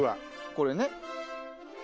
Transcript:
これね。